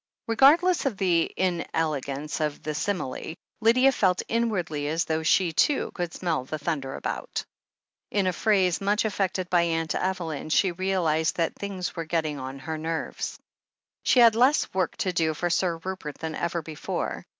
Regardless of the inelegance of the simile, Lydia felt inwardly as though she, too, could smell the thunder about. In a phrase much affected by Aunt Evel3m, she realized that "things were getting on her nerves." She had less work to do for Sir Rupert than ever before.